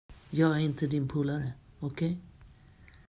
Jag är inte din polare, okej?